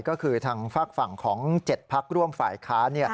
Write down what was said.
ก็คือทางฝากฝั่งของ๗พักร่วมฝ่ายค้าน